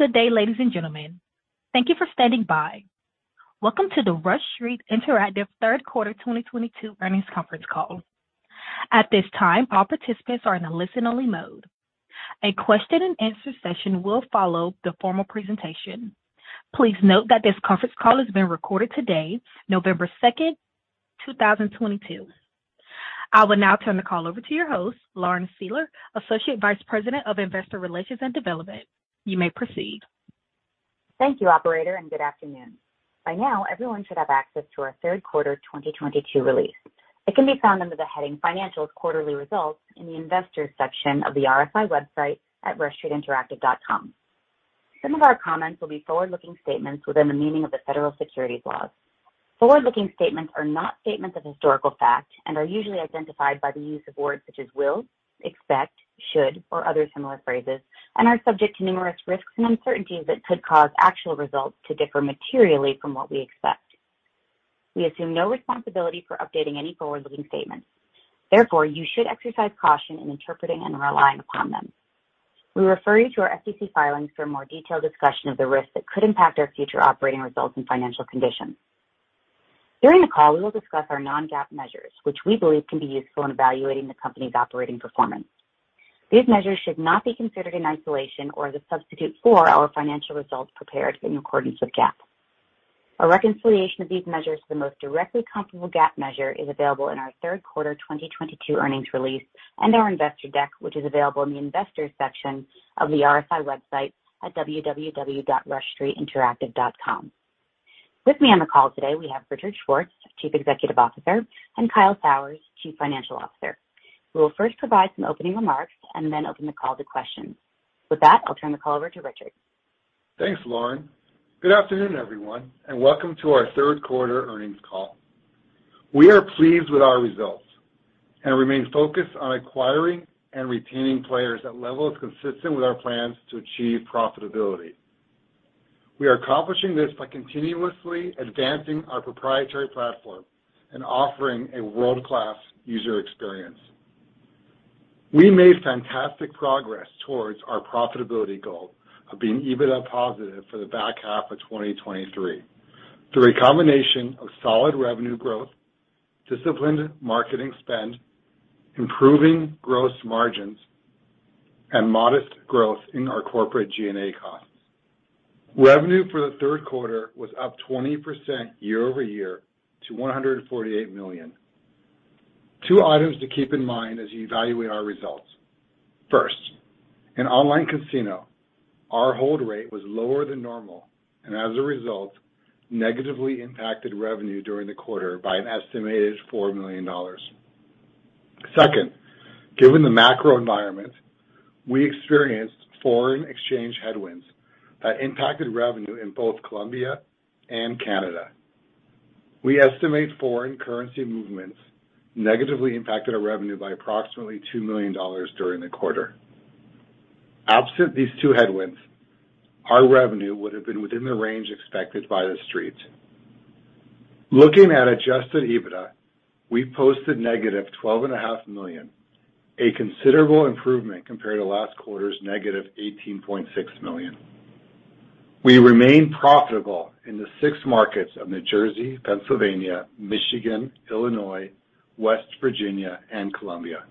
Good day, ladies and gentlemen. Thank you for standing by. Welcome to the Rush Street Interactive Third Quarter 2022 Earnings Conference Call. At this time, all participants are in a listen-only mode. A question and answer session will follow the formal presentation. Please note that this conference call is being recorded today, November 2nd, 2022. I will now turn the call over to your host, Lauren Seiler, Associate Vice President of Investor Relations and Development. You may proceed. Thank you, operator, and good afternoon. By now, everyone should have access to our third quarter 2022 release. It can be found under the heading Financials Quarterly Results in the Investors section of the RSI website at rushstreetinteractive.com. Some of our comments will be forward-looking statements within the meaning of the federal securities laws. Forward-looking statements are not statements of historical fact and are usually identified by the use of words such as will, expect, should or other similar phrases, and are subject to numerous risks and uncertainties that could cause actual results to differ materially from what we expect. We assume no responsibility for updating any forward-looking statements. Therefore, you should exercise caution in interpreting and relying upon them. We refer you to our SEC filings for a more detailed discussion of the risks that could impact our future operating results and financial conditions. During the call, we will discuss our non-GAAP measures, which we believe can be useful in evaluating the company's operating performance. These measures should not be considered in isolation or as a substitute for our financial results prepared in accordance with GAAP. A reconciliation of these measures to the most directly comparable GAAP measure is available in our third quarter 2022 earnings release and our investor deck, which is available in the Investors section of the RSI website at www.rushstreetinteractive.com. With me on the call today, we have Richard Schwartz, Chief Executive Officer, and Kyle Sauers, Chief Financial Officer. We will first provide some opening remarks and then open the call to questions. With that, I'll turn the call over to Richard. Thanks, Lauren. Good afternoon, everyone, and welcome to our third quarter earnings call. We are pleased with our results and remain focused on acquiring and retaining players at levels consistent with our plans to achieve profitability. We are accomplishing this by continuously advancing our proprietary platform and offering a world-class user experience. We made fantastic progress towards our profitability goal of being EBITDA positive for the back half of 2023 through a combination of solid revenue growth, disciplined marketing spend, improving gross margins, and modest growth in our corporate G&A costs. Revenue for the third quarter was up 20% year over year to $148 million. Two items to keep in mind as you evaluate our results. First, in online casino, our hold rate was lower than normal, and as a result, negatively impacted revenue during the quarter by an estimated $4 million. Second, given the macro environment, we experienced foreign exchange headwinds that impacted revenue in both Colombia and Canada. We estimate foreign currency movements negatively impacted our revenue by approximately $2 million during the quarter. Absent these two headwinds, our revenue would have been within the range expected by The Street. Looking at adjusted EBITDA, we posted negative $12.5 million, a considerable improvement compared to last quarter's negative $18.6 million. We remain profitable in the six markets of New Jersey, Pennsylvania, Michigan, Illinois, West Virginia, and Colombia.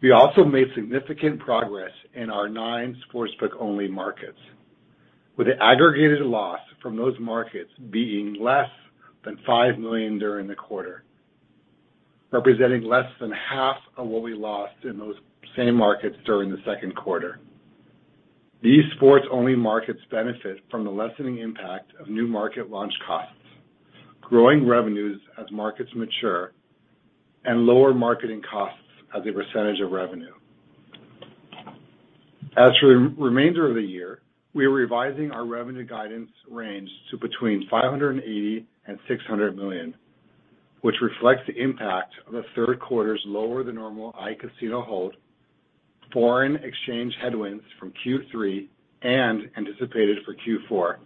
We also made significant progress in our nine sportsbook-only markets, with the aggregated loss from those markets being less than $5 million during the quarter, representing less than half of what we lost in those same markets during the second quarter. These sports-only markets benefit from the lessening impact of new market launch costs, growing revenues as markets mature, and lower marketing costs as a percentage of revenue. As for the remainder of the year, we are revising our revenue guidance range to between $580 million and $600 million, which reflects the impact of the third quarter's lower-than-normal iCasino hold, foreign exchange headwinds from Q3 and anticipated for Q4,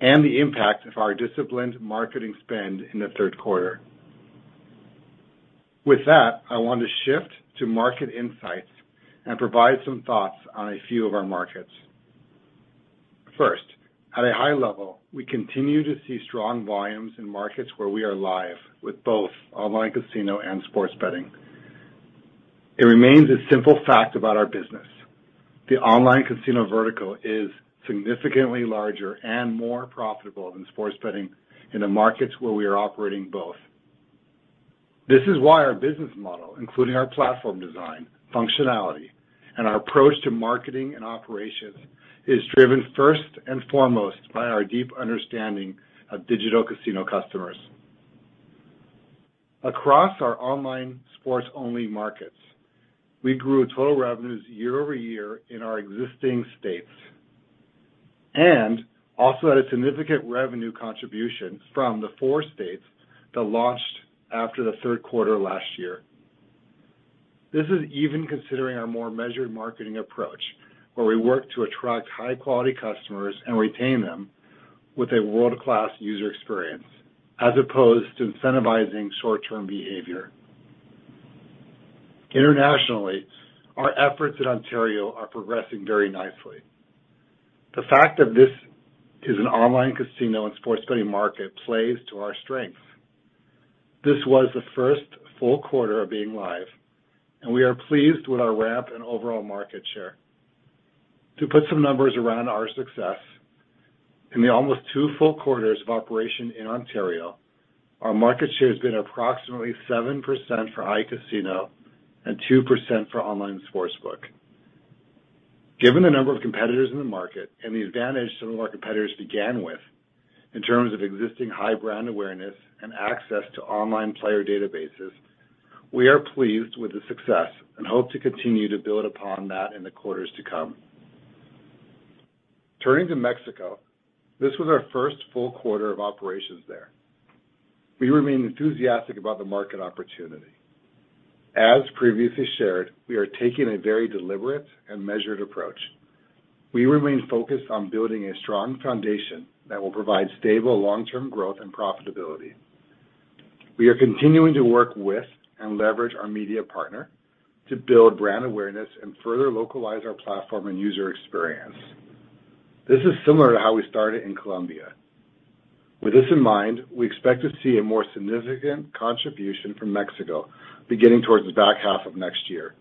and the impact of our disciplined marketing spend in the third quarter. With that, I want to shift to market insights and provide some thoughts on a few of our markets. First, at a high level, we continue to see strong volumes in markets where we are live with both online casino and sports betting. It remains a simple fact about our business. The online casino vertical is significantly larger and more profitable than sports betting in the markets where we are operating in both. This is why our business model, including our platform design, functionality, and our approach to marketing and operations, is driven first and foremost by our deep understanding of digital casino customers. Across our online sports-only markets, we grew total revenues year-over-year in our existing states and also had a significant revenue contribution from the four states that launched after the third quarter last year. This is even considering our more measured marketing approach, where we work to attract high-quality customers and retain them with a world-class user experience, as opposed to incentivizing short-term behavior. Internationally, our efforts in Ontario are progressing very nicely. The fact that this is an online casino and sports betting market plays to our strength. This was the first full quarter of being live, and we are pleased with our ramp and overall market share. To put some numbers around our success, in the almost two full quarters of operation in Ontario, our market share has been approximately 7% for iCasino and 2% for online sportsbook. Given the number of competitors in the market and the advantage some of our competitors began with in terms of existing high brand awareness and access to online player databases, we are pleased with the success and hope to continue to build upon that in the quarters to come. Turning to Mexico, this was our first full quarter of operations there. We remain enthusiastic about the market opportunity. As previously shared, we are taking a very deliberate and measured approach. We remain focused on building a strong foundation that will provide stable long-term growth and profitability. We are continuing to work with and leverage our media partner to build brand awareness and further localize our platform and user experience. This is similar to how we started in Colombia. With this in mind, we expect to see a more significant contribution from Mexico beginning towards the back half of next year.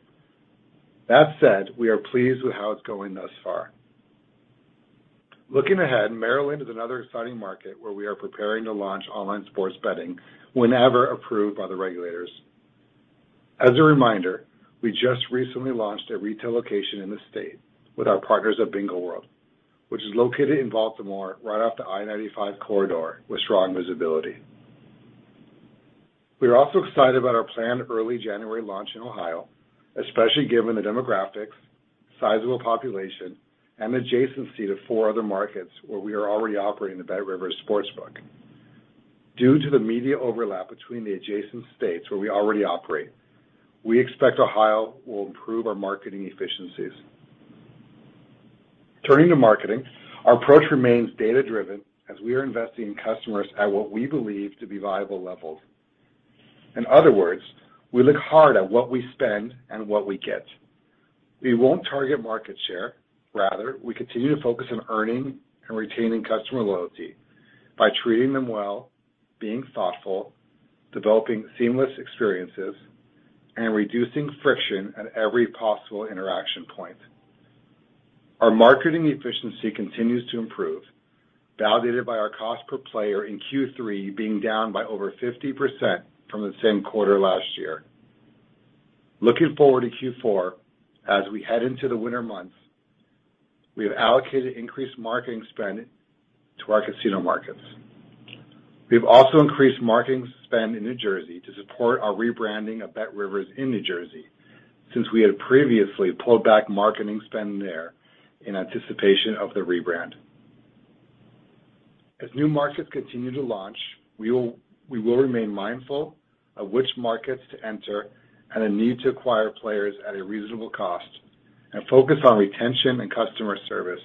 That said, we are pleased with how it's going thus far. Looking ahead, Maryland is another exciting market where we are preparing to launch online sports betting whenever approved by the regulators. As a reminder, we just recently launched a retail location in the state with our partners at Bingo World, which is located in Baltimore right off the I-95 corridor with strong visibility. We are also excited about our planned early January launch in Ohio, especially given the demographics, sizable population, and adjacency to four other markets where we are already operating the BetRivers Sportsbook. Due to the media overlap between the adjacent states where we already operate, we expect Ohio will improve our marketing efficiencies. Turning to marketing, our approach remains data-driven as we are investing in customers at what we believe to be viable levels. In other words, we look hard at what we spend and what we get. We won't target market share. Rather, we continue to focus on earning and retaining customer loyalty by treating them well, being thoughtful, developing seamless experiences, and reducing friction at every possible interaction point. Our marketing efficiency continues to improve, validated by our cost per player in Q3 being down by over 50% from the same quarter last year. Looking forward to Q4, as we head into the winter months, we have allocated increased marketing spend to our casino markets. We've also increased marketing spend in New Jersey to support our rebranding of BetRivers in New Jersey since we had previously pulled back marketing spend there in anticipation of the rebrand. As new markets continue to launch, we will remain mindful of which markets to enter and the need to acquire players at a reasonable cost and focus on retention and customer service.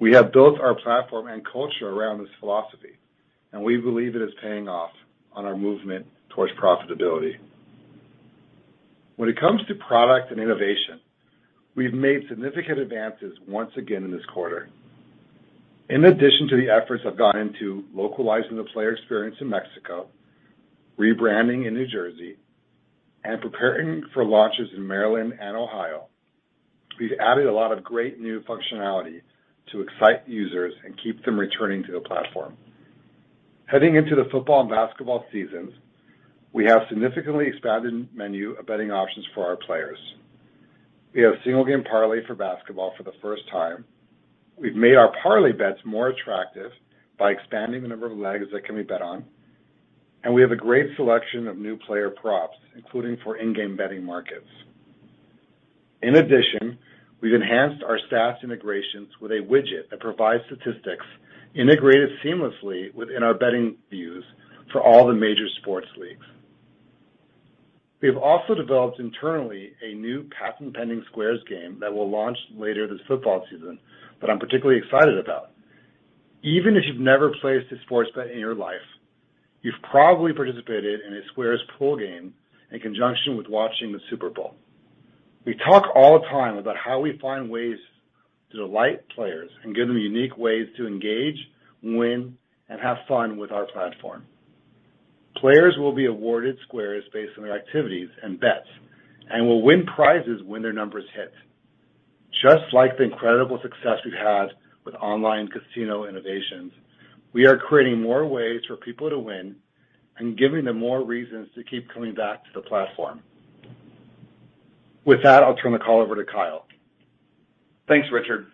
We have built our platform and culture around this philosophy, and we believe it is paying off on our movement towards profitability. When it comes to product and innovation, we've made significant advances once again in this quarter. In addition to the efforts I've gotten to localizing the player experience in Mexico, rebranding in New Jersey, and preparing for launches in Maryland and Ohio, we've added a lot of great new functionality to excite users and keep them returning to the platform. Heading into the football and basketball seasons, we have significantly expanded menu of betting options for our players. We have single-game parlay for basketball for the first time. We've made our parlay bets more attractive by expanding the number of legs that can be bet on, and we have a great selection of new player props, including for in-game betting markets. In addition, we've enhanced our stats integrations with a widget that provides statistics integrated seamlessly within our betting views for all the major sports leagues. We have also developed internally a new patent-pending squares game that will launch later this football season that I'm particularly excited about. Even if you've never placed a sports bet in your life, you've probably participated in a squares pool game in conjunction with watching the Super Bowl. We talk all the time about how we find ways to delight players and give them unique ways to engage, win, and have fun with our platform. Players will be awarded squares based on their activities and bets and will win prizes when their numbers hit. Just like the incredible success we've had with online casino innovations, we are creating more ways for people to win and giving them more reasons to keep coming back to the platform. With that, I'll turn the call over to Kyle. Thanks, Richard.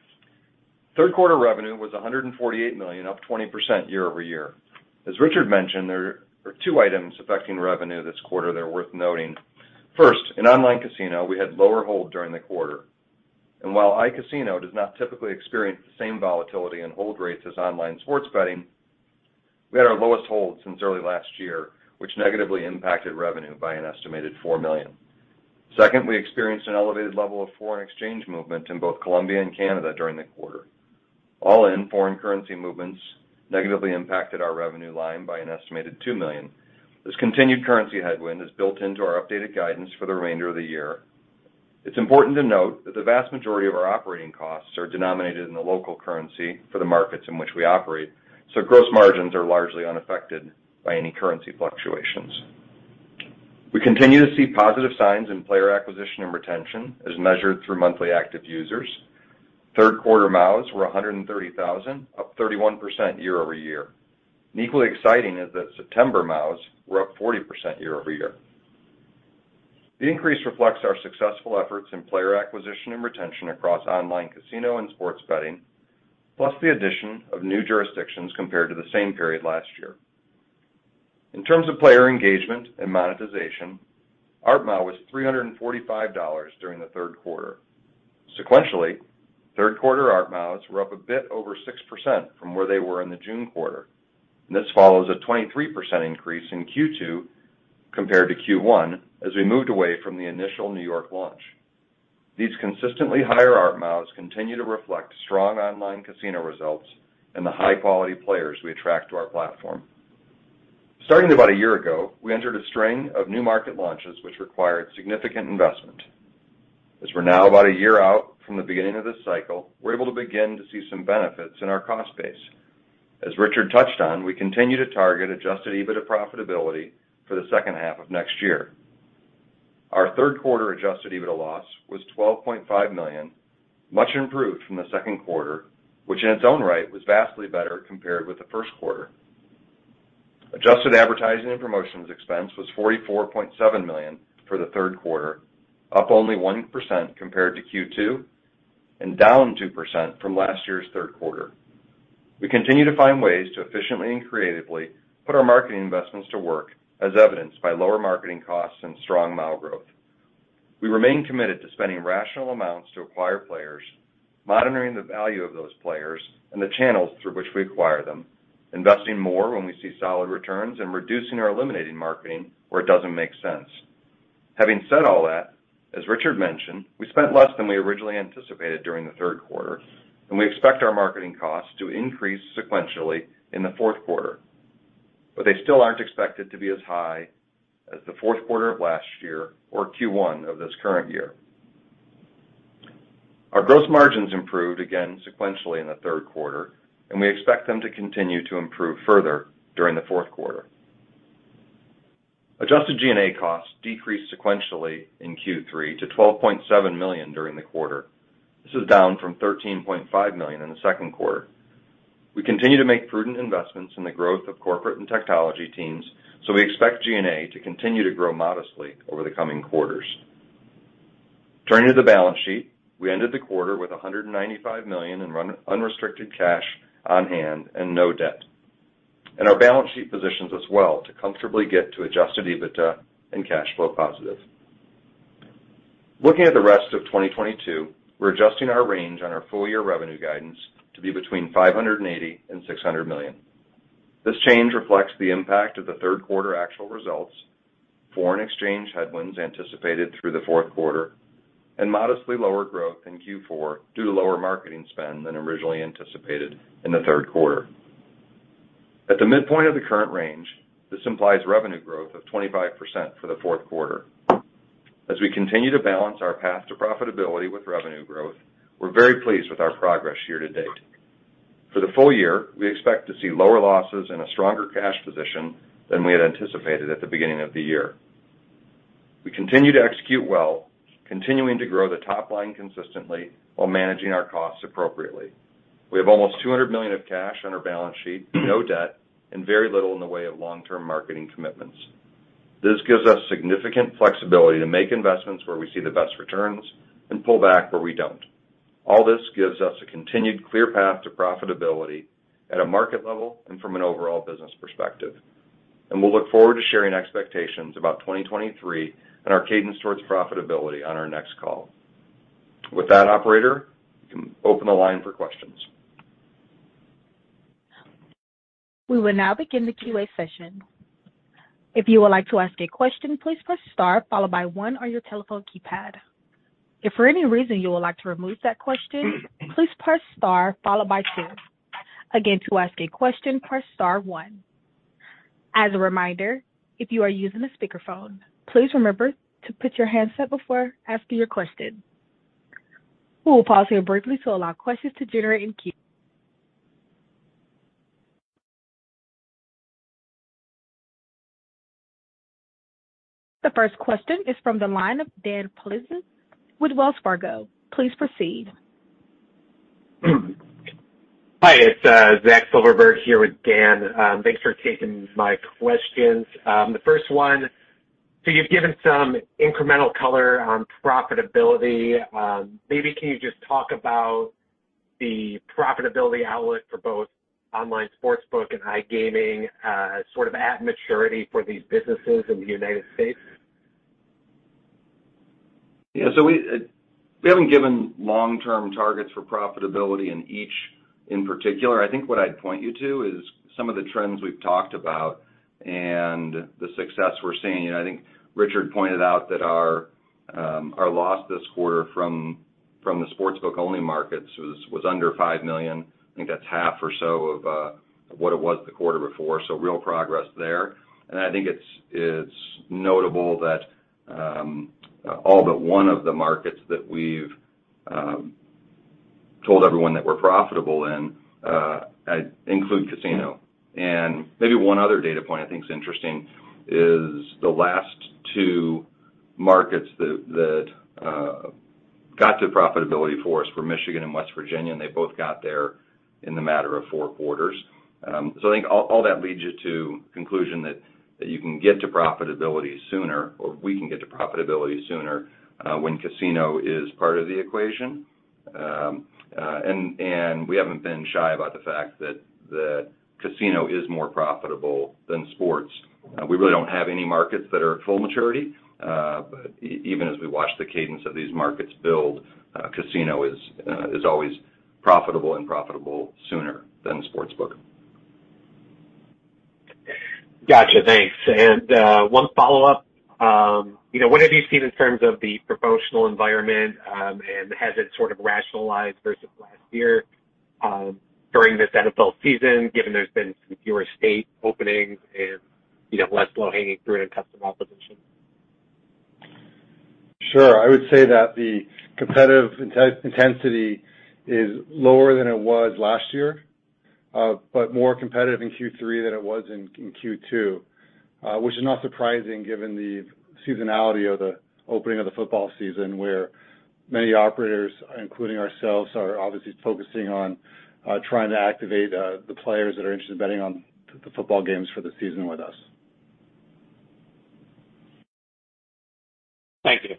Third quarter revenue was $148 million, up 20% year-over-year. As Richard mentioned, there are two items affecting revenue this quarter that are worth noting. First, in online casino, we had lower hold during the quarter. While iCasino does not typically experience the same volatility and hold rates as online sports betting, we had our lowest hold since early last year, which negatively impacted revenue by an estimated $4 million. Second, we experienced an elevated level of foreign exchange movement in both Colombia and Canada during the quarter. All in foreign currency movements negatively impacted our revenue line by an estimated $2 million. This continued currency headwind is built into our updated guidance for the remainder of the year. It's important to note that the vast majority of our operating costs are denominated in the local currency for the markets in which we operate, so gross margins are largely unaffected by any currency fluctuations. We continue to see positive signs in player acquisition and retention as measured through monthly active users. Third quarter MAUs were 130,000, up 31% year-over-year. Equally exciting is that September MAUs were up 40% year-over-year. The increase reflects our successful efforts in player acquisition and retention across online casino and sports betting, plus the addition of new jurisdictions compared to the same period last year. In terms of player engagement and monetization, ARPMAU was $345 during the third quarter. Sequentially, third quarter ARPMAUs were up a bit over 6% from where they were in the June quarter, and this follows a 23% increase in Q2 compared to Q1 as we moved away from the initial New York launch. These consistently higher ARPMAUs continue to reflect strong online casino results and the high-quality players we attract to our platform. Starting about a year ago, we entered a string of new market launches which required significant investment. As we're now about a year out from the beginning of this cycle, we're able to begin to see some benefits in our cost base. As Richard touched on, we continue to target adjusted EBITDA profitability for the second half of next year. Our third quarter adjusted EBITDA loss was $12.5 million, much improved from the second quarter, which in its own right was vastly better compared with the first quarter. Adjusted advertising and promotions expense was $44.7 million for the third quarter, up only 1% compared to Q2 and down 2% from last year's third quarter. We continue to find ways to efficiently and creatively put our marketing investments to work, as evidenced by lower marketing costs and strong MAU growth. We remain committed to spending rational amounts to acquire players, monitoring the value of those players and the channels through which we acquire them, investing more when we see solid returns, and reducing or eliminating marketing where it doesn't make sense. Having said all that, as Richard mentioned, we spent less than we originally anticipated during the third quarter, and we expect our marketing costs to increase sequentially in the fourth quarter. But they still aren't expected to be as high as the fourth quarter of last year or Q1 of this current year. Our gross margins improved again sequentially in the third quarter, and we expect them to continue to improve further during the fourth quarter. Adjusted G&A costs decreased sequentially in Q3 to $12.7 million during the quarter. This is down from $13.5 million in the second quarter. We continue to make prudent investments in the growth of corporate and technology teams, so we expect G&A to continue to grow modestly over the coming quarters. Turning to the balance sheet, we ended the quarter with $195 million in unrestricted cash on hand and no debt, and our balance sheet positions us well to comfortably get to adjusted EBITDA and cash flow positive. Looking at the rest of 2022, we're adjusting our range on our full-year revenue guidance to be between $580 and $600 million. This change reflects the impact of the third quarter actual results, foreign exchange headwinds anticipated through the fourth quarter, and modestly lower growth in Q4 due to lower marketing spend than originally anticipated in the third quarter. At the midpoint of the current range, this implies revenue growth of 25% for the fourth quarter. As we continue to balance our path to profitability with revenue growth, we're very pleased with our progress year to date. For the full year, we expect to see lower losses and a stronger cash position than we had anticipated at the beginning of the year. We continue to execute well, continuing to grow the top line consistently while managing our costs appropriately. We have almost $200 million of cash on our balance sheet, no debt, and very little in the way of long-term marketing commitments. This gives us significant flexibility to make investments where we see the best returns and pull back where we don't. All this gives us a continued clear path to profitability at a market level and from an overall business perspective. We'll look forward to sharing expectations about 2023 and our cadence towards profitability on our next call. With that, operator, you can open the line for questions. We will now begin the Q&A session. If you would like to ask a question, please press star followed by one on your telephone keypad. If for any reason you would like to remove that question, please press star followed by two. Again, to ask a question, press star one. As a reminder, if you are using a speakerphone, please remember to put your handset before or after your question. We will pause here briefly to allow questions to generate in queue. The first question is from the line of Dan Politzer with Wells Fargo. Please proceed. Hi, it's Zach Silverberg here with Dan. Thanks for taking my questions. The first one, you've given some incremental color on profitability. Maybe can you just talk about the profitability outlook for both online sportsbook and iGaming, sort of at maturity for these businesses in the United States? Yeah. We haven't given long-term targets for profitability in each in particular. I think what I'd point you to is some of the trends we've talked about and the success we're seeing. I think Richard pointed out that our loss this quarter from the sportsbook-only markets was under $5 million. I think that's half or so of what it was the quarter before, so real progress there. I think it's notable that all but one of the markets that we've told everyone that we're profitable in include casino. Maybe one other data point I think is interesting is the last two markets that got to profitability for us were Michigan and West Virginia, and they both got there in the matter of four quarters. I think all that leads you to conclusion that you can get to profitability sooner, or we can get to profitability sooner, when casino is part of the equation. And we haven't been shy about the fact that the casino is more profitable than sports. We really don't have any markets that are at full maturity. Even as we watch the cadence of these markets build, casino is always profitable and profitable sooner than the sports book. Gotcha. Thanks. One follow-up. You know, what have you seen in terms of the promotional environment, and has it sort of rationalized versus last year, during this NFL season, given there's been some fewer state openings and, you know, less low-hanging fruit in customer acquisition? Sure. I would say that the competitive intensity is lower than it was last year, but more competitive in Q3 than it was in Q2, which is not surprising given the seasonality of the opening of the football season, where many operators, including ourselves, are obviously focusing on trying to activate the players that are interested in betting on the football games for the season with us. Thank you.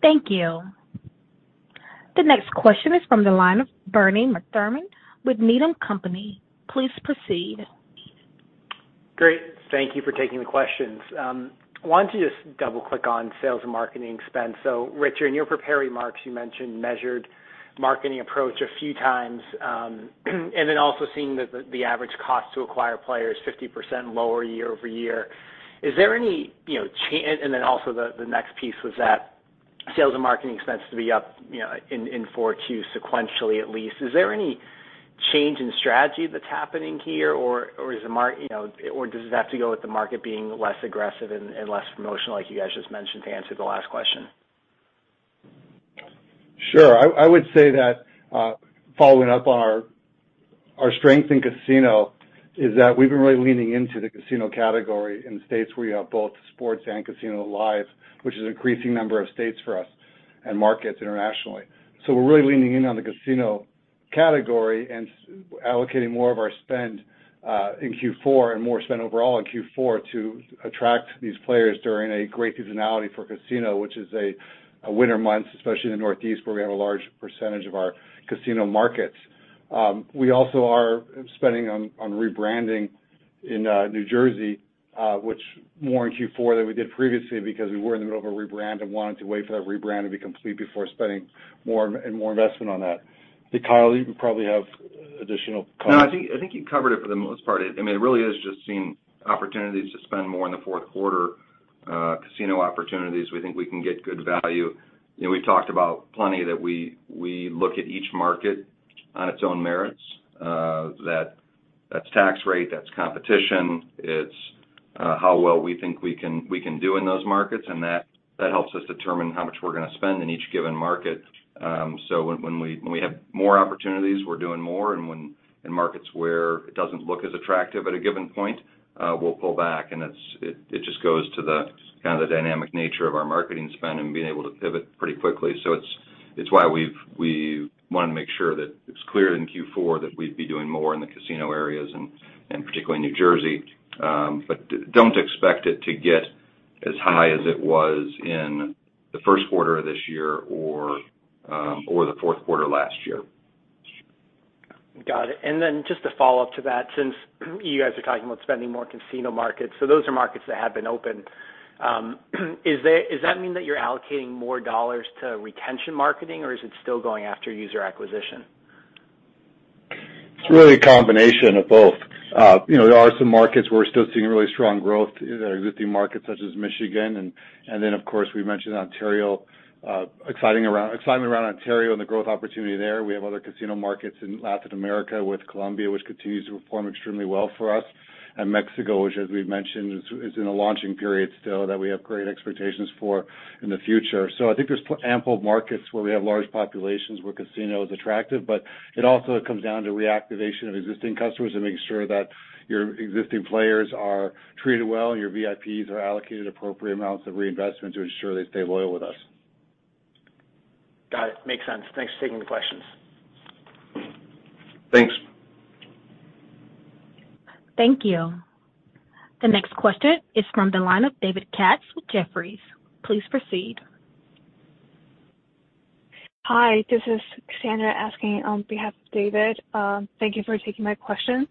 Thank you. The next question is from the line of Bernie McTernan with Needham & Company. Please proceed. Great. Thank you for taking the questions. Wanted to just double-click on sales and marketing spend. Richard, in your prepared remarks, you mentioned measured marketing approach a few times, and then also seeing that the average cost to acquire a player is 50% lower year-over-year. Is there any, you know, change and then also the next piece was that sales and marketing expense to be up, you know, in 4Q sequentially at least. Is there any change in strategy that's happening here, or does it have to go with the market being less aggressive and less promotional like you guys just mentioned to answer the last question? Sure. I would say that following up on our strength in casino is that we've been really leaning into the casino category in states where you have both sports and casino live, which is an increasing number of states for us and markets internationally. We're really leaning in on the casino category and allocating more of our spend in Q4 and more spend overall in Q4 to attract these players during a great seasonality for casino, which is a winter month, especially in the Northeast, where we have a large percentage of our casino markets. We also are spending on rebranding in New Jersey, which more in Q4 than we did previously because we were in the middle of a rebrand and wanted to wait for that rebrand to be complete before spending more and more investment on that. Kyle, you probably have additional color. No, I think you covered it for the most part. I mean, it really is just seeing opportunities to spend more in the fourth quarter, casino opportunities we think we can get good value. You know, we talked about plenty that we look at each market on its own merits, that's tax rate, that's competition, it's how well we think we can do in those markets, and that helps us determine how much we're gonna spend in each given market. So when we have more opportunities, we're doing more and when in markets where it doesn't look as attractive at a given point, we'll pull back and it just goes to the kind of the dynamic nature of our marketing spend and being able to pivot pretty quickly. It's why we wanted to make sure that it's clear in Q4 that we'd be doing more in the casino areas and particularly New Jersey. But don't expect it to get as high as it was in the first quarter of this year or the fourth quarter last year. Got it. Just a follow-up to that, since you guys are talking about spending more in casino markets, so those are markets that have been open. Does that mean that you're allocating more dollars to retention marketing, or is it still going after user acquisition? It's really a combination of both. You know, there are some markets where we're still seeing really strong growth in existing markets such as Michigan and then of course, we mentioned Ontario, excitement around Ontario and the growth opportunity there. We have other casino markets in Latin America with Colombia, which continues to perform extremely well for us. Mexico, which as we've mentioned, is in a launching period still that we have great expectations for in the future. I think there's ample markets where we have large populations where casino is attractive, but it also comes down to reactivation of existing customers and making sure that your existing players are treated well, and your VIPs are allocated appropriate amounts of reinvestment to ensure they stay loyal with us. Got it. Makes sense. Thanks for taking the questions. Thanks. Thank you. The next question is from the line of David Katz with Jefferies. Please proceed. Hi, this is Sandra asking on behalf of David. Thank you for taking my question.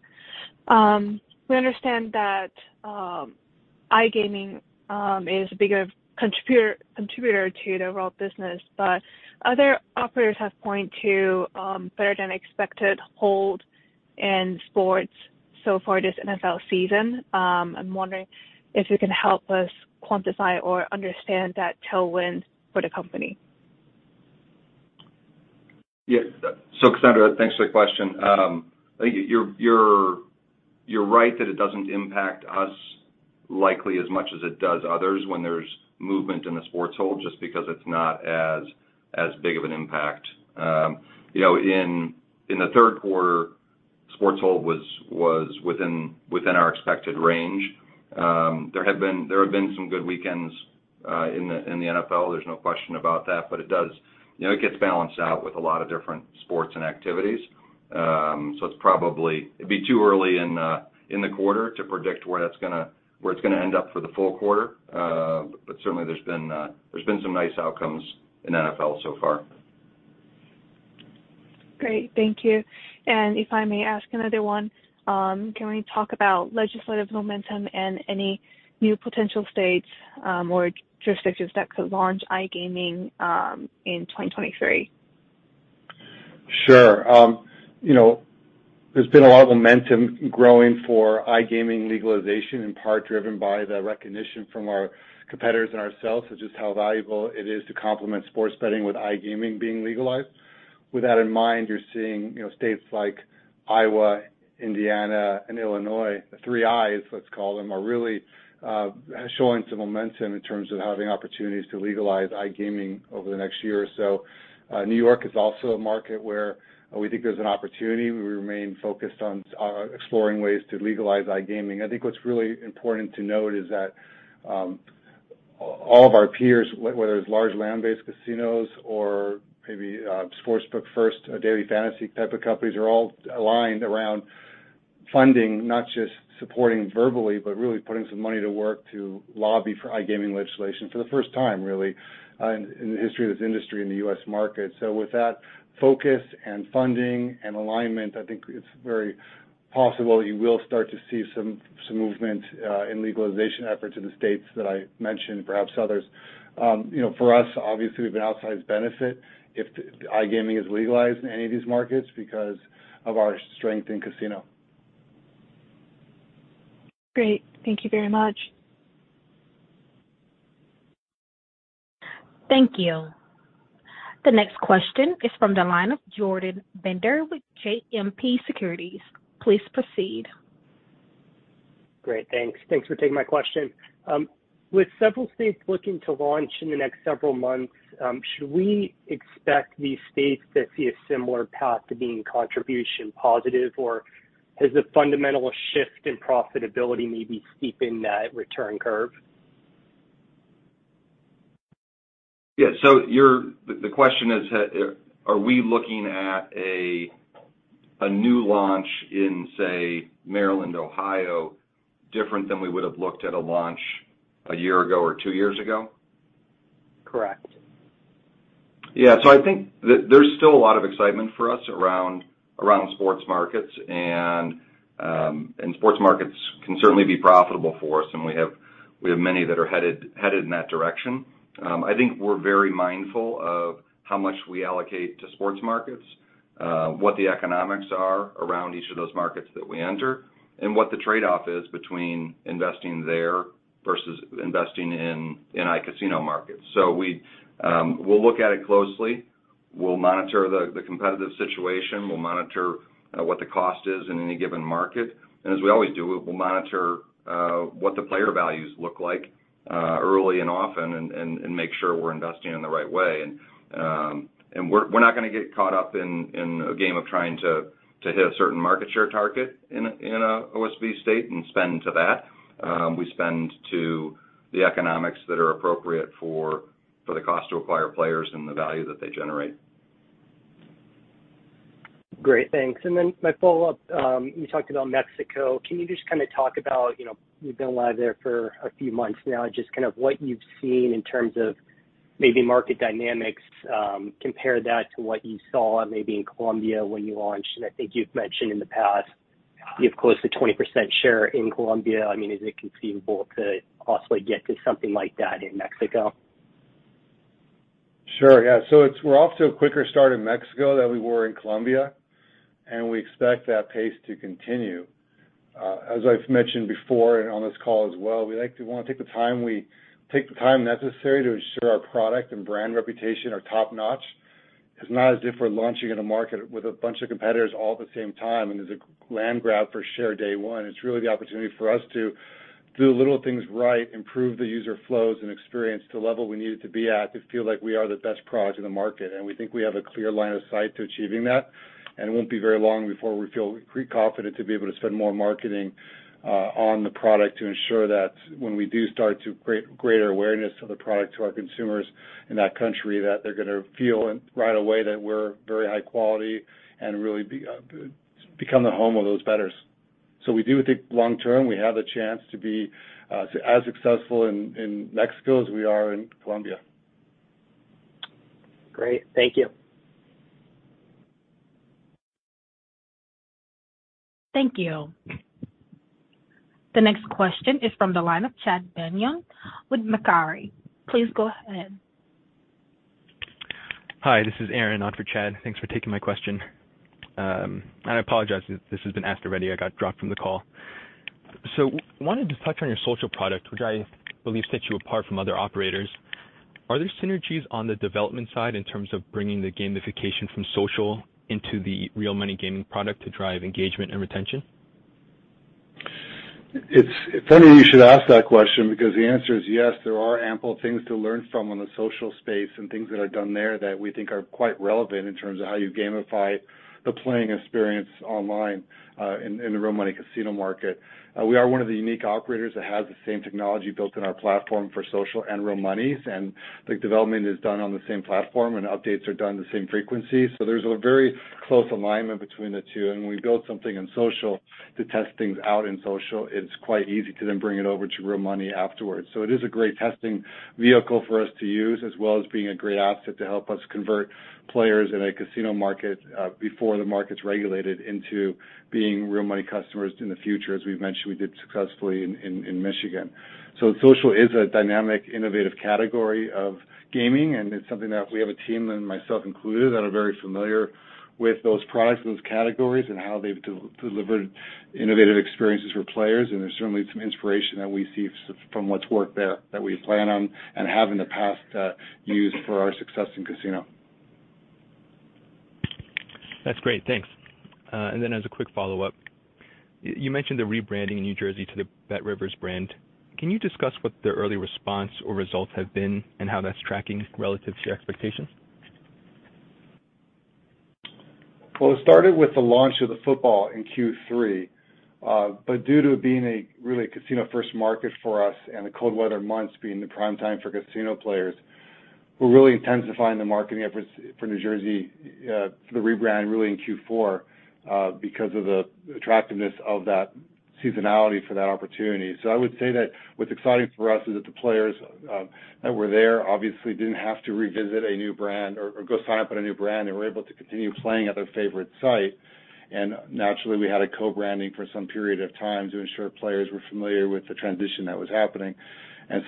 We understand that iGaming is a bigger contributor to the overall business, but other operators have pointed to better than expected hold and sports so far this NFL season. I'm wondering if you can help us quantify or understand that tailwind for the company. Yes. Cassandra, thanks for the question. You're right that it doesn't impact us likely as much as it does others when there's movement in the sports hold, just because it's not as big of an impact. You know, in the third quarter, sports hold was within our expected range. There have been some good weekends in the NFL, there's no question about that, but it gets balanced out with a lot of different sports and activities. You know, it's probably too early in the quarter to predict where it's gonna end up for the full quarter. But certainly there's been some nice outcomes in the NFL so far. Great. Thank you. If I may ask another one, can we talk about legislative momentum and any new potential states, or jurisdictions that could launch iGaming, in 2023? Sure. You know, there's been a lot of momentum growing for iGaming legalization, in part driven by the recognition from our competitors and ourselves of just how valuable it is to complement sports betting with iGaming being legalized. With that in mind, you're seeing, you know, states like Iowa, Indiana, and Illinois, the three I's, let's call them, are really showing some momentum in terms of having opportunities to legalize iGaming over the next year or so. New York is also a market where we think there's an opportunity. We remain focused on exploring ways to legalize iGaming. I think what's really important to note is that all of our peers, whether it's large land-based casinos or maybe sports book first, daily fantasy type of companies, are all aligned around funding, not just supporting verbally, but really putting some money to work to lobby for iGaming legislation for the first time, really, in the history of this industry in the U.S. market. With that focus and funding and alignment, I think it's very possible you will start to see some movement in legalization efforts in the states that I mentioned, perhaps others. You know, for us, obviously, we've been outsized benefit if iGaming is legalized in any of these markets because of our strength in casino. Great. Thank you very much. Thank you. The next question is from the line of Jordan Bender with JMP Securities. Please proceed. Great. Thanks. Thanks for taking my question. With several states looking to launch in the next several months, should we expect these states to see a similar path to being contribution positive, or has the fundamental shift in profitability maybe steepened that return curve? The question is, are we looking at a new launch in, say, Maryland, Ohio different than we would have looked at a launch a year ago or two years ago? Correct. Yeah. I think that there's still a lot of excitement for us around sports markets. Sports markets can certainly be profitable for us, and we have many that are headed in that direction. I think we're very mindful of how much we allocate to sports markets, what the economics are around each of those markets that we enter, and what the trade-off is between investing there versus investing in iCasino markets. We'll look at it closely. We'll monitor the competitive situation, we'll monitor what the cost is in any given market. As we always do, we'll monitor what the player values look like early and often and make sure we're investing in the right way. We're not gonna get caught up in a game of trying to hit a certain market share target in a OSB state and spend to that. We spend to the economics that are appropriate for the cost to acquire players and the value that they generate. Great. Thanks. My follow-up, you talked about Mexico. Can you just kinda talk about, you know, you've been live there for a few months now, just kind of what you've seen in terms of maybe market dynamics, compare that to what you saw maybe in Colombia when you launched. I think you've mentioned in the past, you have close to 20% share in Colombia. I mean, is it conceivable to possibly get to something like that in Mexico? We're off to a quicker start in Mexico than we were in Colombia, and we expect that pace to continue. As I've mentioned before and on this call as well, we wanna take the time necessary to ensure our product and brand reputation are top-notch. It's not as if we're launching in a market with a bunch of competitors all at the same time, and there's a land grab for share day one. It's really the opportunity for us to do the little things right, improve the user flows and experience to the level we need it to be at, to feel like we are the best product in the market. We think we have a clear line of sight to achieving that. It won't be very long before we feel pretty confident to be able to spend more marketing on the product to ensure that when we do start to create greater awareness of the product to our consumers in that country, that they're gonna feel right away that we're very high quality and really become the home of those bettors. We do think long term, we have the chance to be as successful in Mexico as we are in Colombia. Great. Thank you. Thank you. The next question is from the line of Chad Beynon with Macquarie. Please go ahead. Hi, this is Aaron, on for Chad. Thanks for taking my question. I apologize if this has been asked already, I got dropped from the call. Wanted to touch on your social product, which I believe sets you apart from other operators. Are there synergies on the development side in terms of bringing the gamification from social into the real money gaming product to drive engagement and retention? It's funny you should ask that question because the answer is yes, there are ample things to learn from on the social space and things that are done there that we think are quite relevant in terms of how you gamify the playing experience online, in the real money casino market. We are one of the unique operators that has the same technology built in our platform for social and real monies, and the development is done on the same platform, and updates are done the same frequency. There's a very close alignment between the two, and when we build something in social to test things out in social, it's quite easy to then bring it over to real money afterwards. It is a great testing vehicle for us to use, as well as being a great asset to help us convert players in a casino market, before the market's regulated into being real money customers in the future, as we've mentioned, we did successfully in Michigan. Social is a dynamic, innovative category of gaming, and it's something that we have a team, and myself included, that are very familiar with those products and those categories and how they've delivered innovative experiences for players. There's certainly some inspiration that we see from what's worked there that we plan on and have in the past, used for our success in casino. That's great. Thanks. As a quick follow-up, you mentioned the rebranding in New Jersey to the BetRivers brand. Can you discuss what the early response or results have been and how that's tracking relative to your expectations? Well, it started with the launch of the football in Q3. Due to it being a really casino-first market for us and the cold weather months being the prime time for casino players, we're really intensifying the marketing efforts for New Jersey for the rebrand really in Q4 because of the attractiveness of that seasonality for that opportunity. I would say that what's exciting for us is that the players that were there obviously didn't have to revisit a new brand or go sign up on a new brand. They were able to continue playing at their favorite site. Naturally, we had a co-branding for some period of time to ensure players were familiar with the transition that was happening. We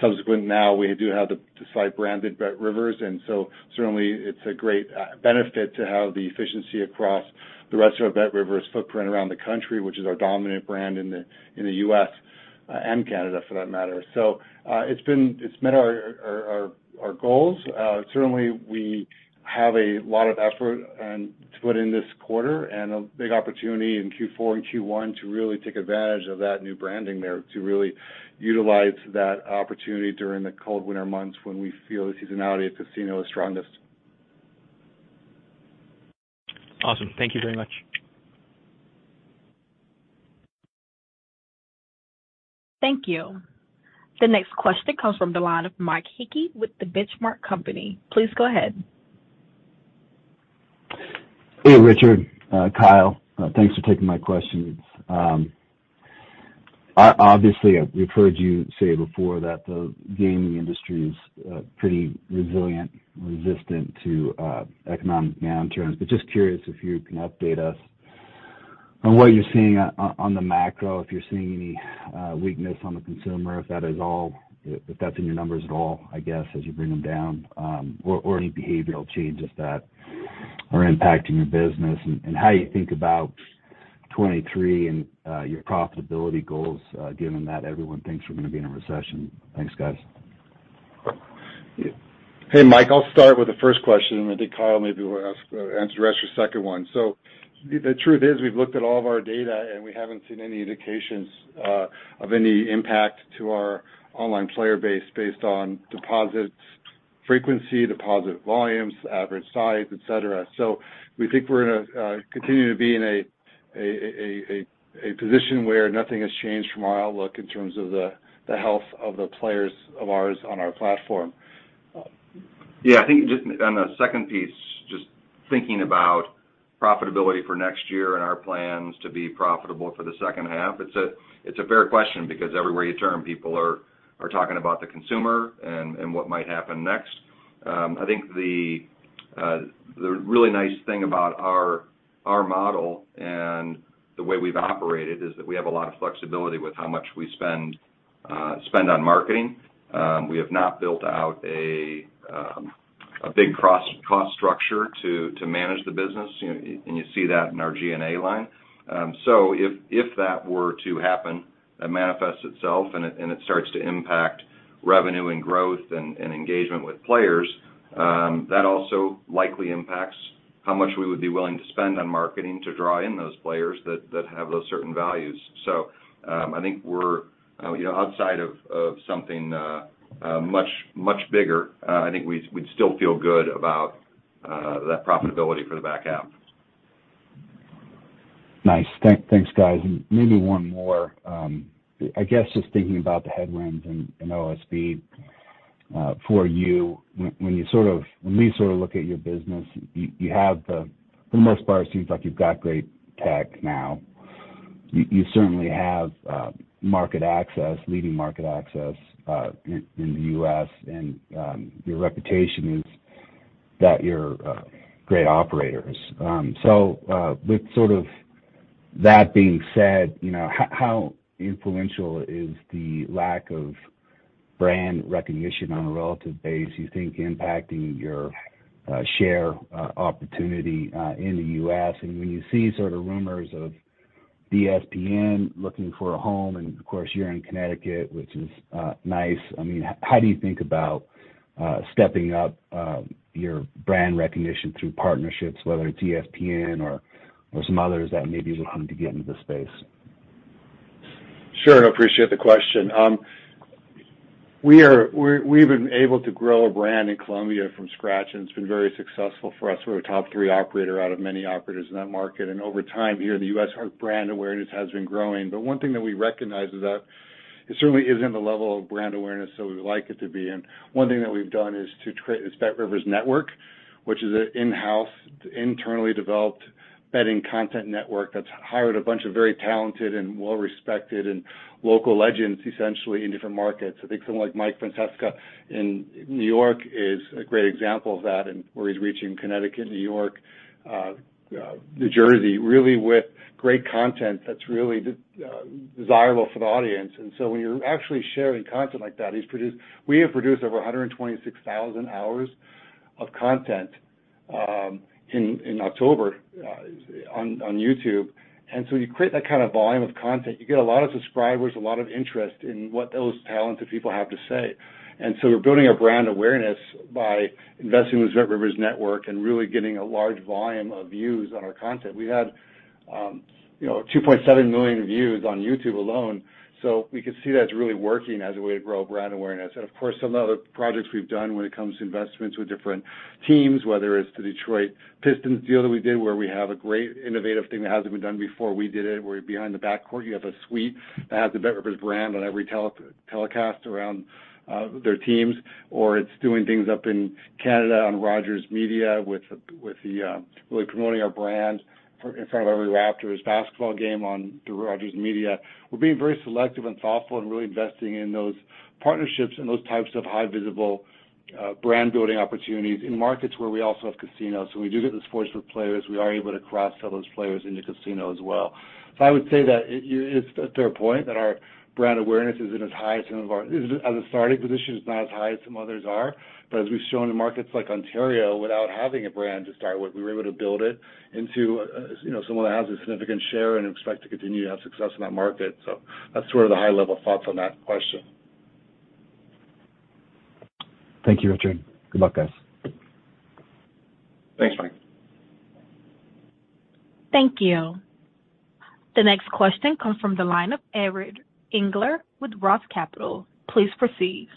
do have the site branded BetRivers, and so certainly it's a great benefit to have the efficiency across the rest of our BetRivers footprint around the country, which is our dominant brand in the U.S. and Canada for that matter. It's met our goals. Certainly, we have a lot of effort to put in this quarter and a big opportunity in Q4 and Q1 to really take advantage of that new branding there to really utilize that opportunity during the cold winter months when we feel the seasonality of casino is strongest. Awesome. Thank you very much. Thank you. The next question comes from the line of Mike Hickey with The Benchmark Company. Please go ahead. Hey, Richard, Kyle, thanks for taking my questions. We've heard you say before that the gaming industry is pretty resilient, resistant to economic downturns. Just curious if you can update us on what you're seeing on the macro, if you're seeing any weakness on the consumer, if that's in your numbers at all, I guess, as you bring them down, or any behavioral changes that are impacting your business. How you think about 2023 and your profitability goals, given that everyone thinks we're gonna be in a recession. Thanks, guys. Hey, Mike, I'll start with the first question, and I think Kyle maybe will answer the rest of your second one. The truth is we've looked at all of our data, and we haven't seen any indications of any impact to our online player base based on deposits frequency, deposit volumes, average size, et cetera. We think we're gonna continue to be in a position where nothing has changed from our outlook in terms of the health of the players of ours on our platform. Yeah, I think just on the second piece, just thinking about profitability for next year and our plans to be profitable for the second half, it's a fair question because everywhere you turn, people are talking about the consumer and what might happen next. I think the really nice thing about our model and the way we've operated is that we have a lot of flexibility with how much we spend on marketing. We have not built out a big cost structure to manage the business, and you see that in our G&A line. If that were to happen, that manifests itself and it starts to impact revenue and growth and engagement with players, that also likely impacts how much we would be willing to spend on marketing to draw in those players that have those certain values. I think we're, you know, outside of something much bigger, I think we'd still feel good about that profitability for the back half. Nice. Thanks, guys. Maybe one more. I guess just thinking about the headwinds and OSB for you, when we sort of look at your business, you have, for the most part, it seems like you've got great tech now. You certainly have market access, leading market access in the U.S., and your reputation is that you're great operators. That being said, you know, how influential is the lack of brand recognition on a relative base, you think impacting your share opportunity in the U.S.? When you see sort of rumors of ESPN looking for a home, and of course, you're in Connecticut, which is nice. I mean, how do you think about stepping up your brand recognition through partnerships, whether it's ESPN or some others that may be looking to get into the space? Sure. I appreciate the question. We've been able to grow a brand in Colombia from scratch, and it's been very successful for us. We're a top three operator out of many operators in that market. Over time here in the U.S., our brand awareness has been growing. One thing that we recognize is that it certainly isn't the level of brand awareness that we would like it to be. One thing that we've done is to create this BetRivers Network, which is an in-house, internally developed betting content network that's hired a bunch of very talented and well-respected and local legends, essentially, in different markets. I think someone like Mike Francesa in New York is a great example of that, and where he's reaching Connecticut, New York, New Jersey, really with great content that's really desirable for the audience. When you're actually sharing content like that, we have produced over 126,000 hours of content in October on YouTube. You create that kind of volume of content, you get a lot of subscribers, a lot of interest in what those talented people have to say. We're building our brand awareness by investing with BetRivers Network and really getting a large volume of views on our content. We had, you know, 2.7 million views on YouTube alone, so we could see that's really working as a way to grow brand awareness. Of course, some of the other projects we've done when it comes to investments with different teams, whether it's the Detroit Pistons deal that we did, where we have a great innovative thing that hasn't been done before we did it, where behind the backcourt, you have a suite that has the BetRivers brand on every telecast around their teams, or it's doing things up in Canada on Rogers Media with the. We're promoting our brand in front of every Raptors basketball game on through Rogers Media. We're being very selective and thoughtful and really investing in those partnerships and those types of highly visible brand building opportunities in markets where we also have casinos. We do get the sports with players. We are able to cross-sell those players into casino as well. I would say that it is to a point that our brand awareness isn't as high as a starting position, it's not as high as some others are. We've shown in markets like Ontario, without having a brand to start with, we were able to build it into, you know, someone that has a significant share and expect to continue to have success in that market. That's sort of the high-level thoughts on that question. Thank you, Richard. Good luck, guys. Thanks, Mike. Thank you. The next question comes from the line of Edward Engel with ROTH Capital. Please proceed.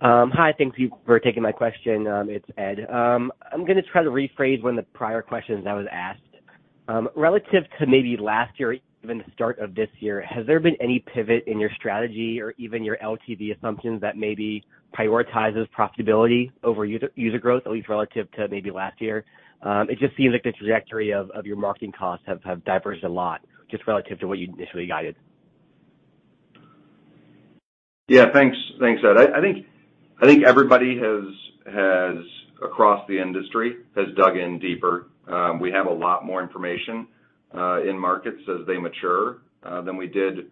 Hi. Thank you for taking my question. It's Ed. I'm gonna try to rephrase one of the prior questions that was asked. Relative to maybe last year or even the start of this year, has there been any pivot in your strategy or even your LTV assumptions that maybe prioritizes profitability over user growth, at least relative to maybe last year? It just seems like the trajectory of your marketing costs have diverged a lot just relative to what you initially guided. Yeah, thanks. Thanks, Ed. I think everybody has across the industry has dug in deeper. We have a lot more information in markets as they mature than we did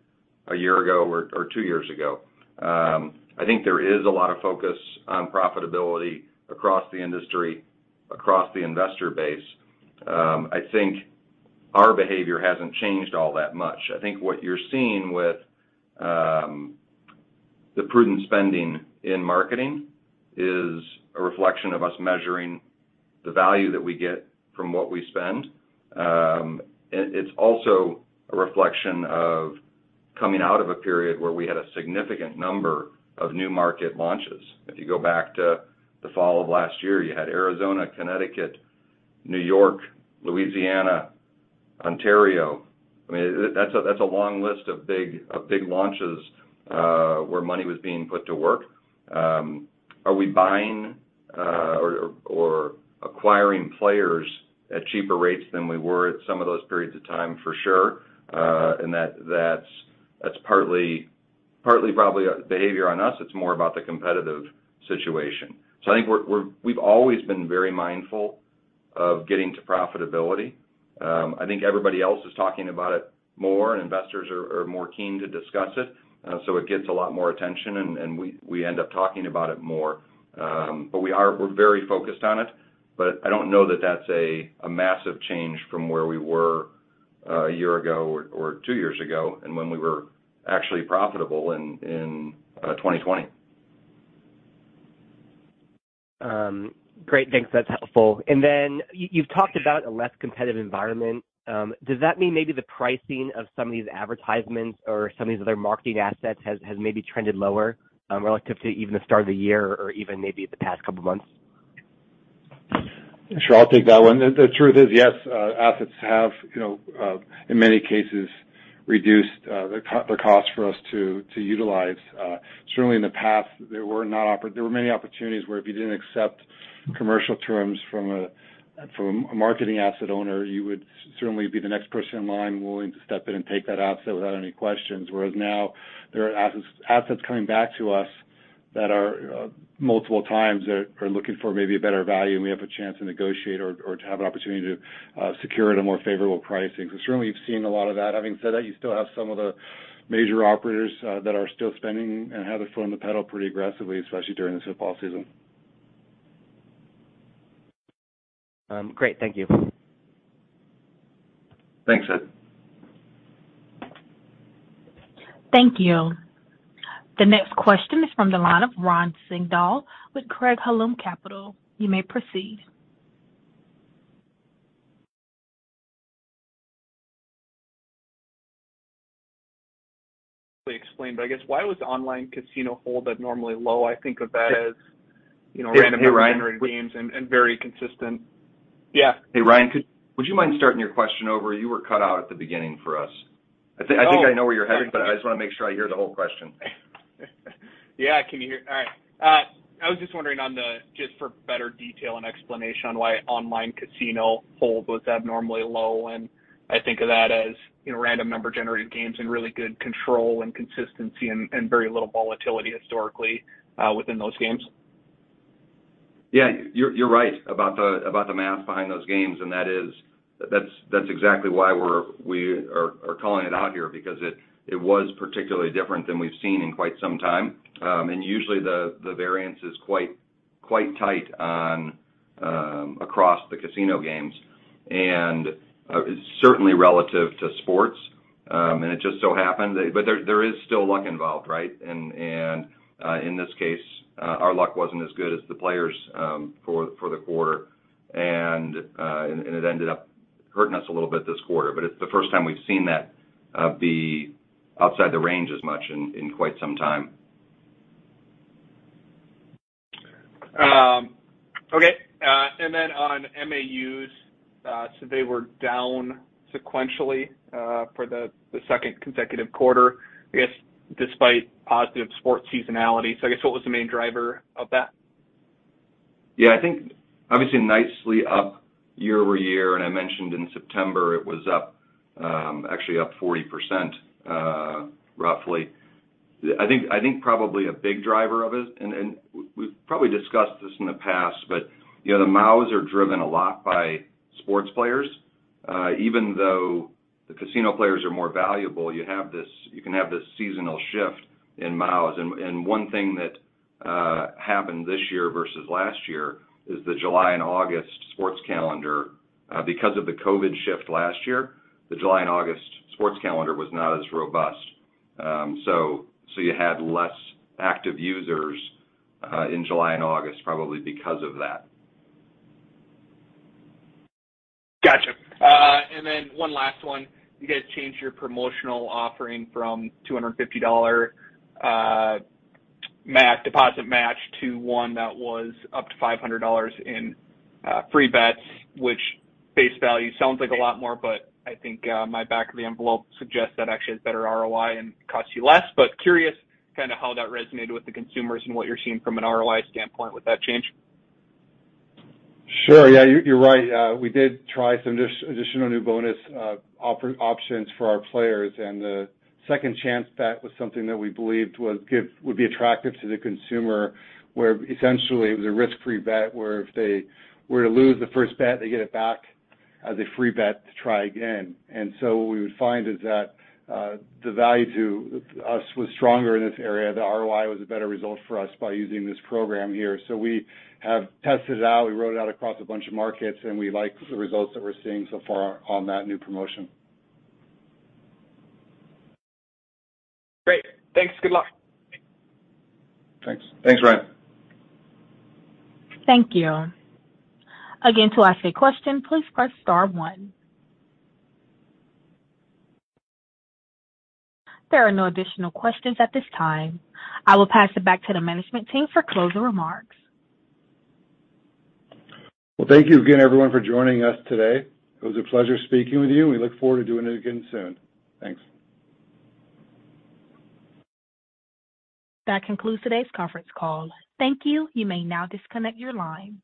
a year ago or two years ago. I think there is a lot of focus on profitability across the industry, across the investor base. I think our behavior hasn't changed all that much. I think what you're seeing with the prudent spending in marketing is a reflection of us measuring the value that we get from what we spend. It's also a reflection of coming out of a period where we had a significant number of new market launches. If you go back to the fall of last year, you had Arizona, Connecticut, New York, Louisiana, Ontario. I mean, that's a long list of big launches where money was being put to work. Are we buying or acquiring players at cheaper rates than we were at some of those periods of time? For sure. That's partly probably a behavior on us. It's more about the competitive situation. I think we've always been very mindful of getting to profitability. I think everybody else is talking about it more, and investors are more keen to discuss it. It gets a lot more attention and we end up talking about it more. We're very focused on it, but I don't know that that's a massive change from where we were a year ago or two years ago, and when we were actually profitable in 2020. Great. Thanks. That's helpful. You've talked about a less competitive environment. Does that mean maybe the pricing of some of these advertisements or some of these other marketing assets has maybe trended lower, relative to even the start of the year or even maybe the past couple of months? Sure. I'll take that one. The truth is, yes, assets have, you know, in many cases, reduced the cost for us to utilize. Certainly in the past, there were many opportunities where if you didn't accept commercial terms from a marketing asset owner, you would certainly be the next person in line willing to step in and take that asset without any questions. Whereas now there are assets coming back to us that are multiple times looking for maybe a better value, and we have a chance to negotiate or to have an opportunity to secure at a more favorable pricing. Certainly, we've seen a lot of that. Having said that, you still have some of the major operators that are still spending and have their foot on the pedal pretty aggressively, especially during this football season. Great. Thank you. Thanks, Ed. Thank you. The next question is from the line of Ryan Sigdahl with Craig-Hallum Capital. You may proceed. We explained, but I guess why was the online casino hold that normally low? I think of that as, you know, random. Hey, Ryan. Generated games and very consistent. Yeah. Hey, Ryan, would you mind starting your question over? You were cut out at the beginning for us. I think I know where you're headed, but I just wanna make sure I hear the whole question. Yeah. Can you hear? All right. I was just wondering just for better detail and explanation on why online casino hold was abnormally low, and I think of that as, you know, random number generated games and really good control and consistency and very little volatility historically within those games. Yeah. You're right about the math behind those games, and that's exactly why we're calling it out here because it was particularly different than we've seen in quite some time. Usually the variance is quite tight across the casino games. Certainly relative to sports, and it just so happened. There is still luck involved, right? In this case, our luck wasn't as good as the players for the quarter. It ended up hurting us a little bit this quarter, but it's the first time we've seen that be outside the range as much in quite some time. Okay. On MAUs, so they were down sequentially for the second consecutive quarter, I guess, despite positive sports seasonality. I guess what was the main driver of that? Yeah, I think obviously nicely up year-over-year, and I mentioned in September it was up, actually up 40%, roughly. I think probably a big driver of it, and we've probably discussed this in the past, but, you know, the MAUs are driven a lot by sports players. Even though the casino players are more valuable, you can have this seasonal shift in MAUs. One thing that happened this year versus last year is the July and August sports calendar. Because of the COVID shift last year, the July and August sports calendar was not as robust. So you had less active users in July and August probably because of that. Gotcha. And then one last one. You guys changed your promotional offering from $250 max deposit match to one that was up to $500 in free bets, which face value sounds like a lot more, but I think my back of the envelope suggests that actually is better ROI and costs you less. Curious kinda how that resonated with the consumers and what you're seeing from an ROI standpoint with that change. Sure. Yeah, you're right. We did try some additional new bonus offer options for our players, and the second chance bet was something that we believed would be attractive to the consumer, where essentially it was a risk-free bet, where if they were to lose the first bet, they get it back as a free bet to try again. What we would find is that the value to us was stronger in this area. The ROI was a better result for us by using this program here. We have tested it out. We rolled it out across a bunch of markets, and we like the results that we're seeing so far on that new promotion. Great. Thanks. Good luck. Thanks. Thanks, Ryan. Thank you. Again, to ask a question, please press star one. There are no additional questions at this time. I will pass it back to the management team for closing remarks. Well, thank you again, everyone, for joining us today. It was a pleasure speaking with you, and we look forward to doing it again soon. Thanks. That concludes today's conference call. Thank you. You may now disconnect your line.